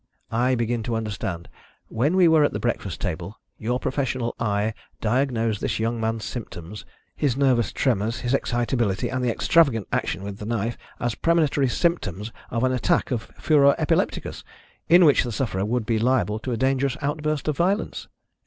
"I begin to understand. When we were at the breakfast table your professional eye diagnosed this young man's symptoms his nervous tremors, his excitability, and the extravagant action with the knife as premonitory symptoms of an attack of furor epilepticus, in which the sufferer would be liable to a dangerous outburst of violence?"